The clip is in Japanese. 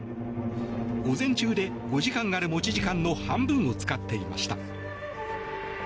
午前中で、５時間ある持ち時間の半分を使っていました。